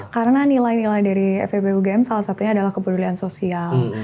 karena nilai nilai dari febugm salah satunya adalah kepedulian sosial